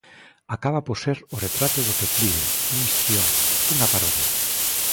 Acaba por ser o retrato do declive, un histrión, unha parodia.